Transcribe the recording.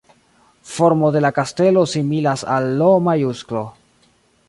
Formo de la kastelo similas al L-majusklo.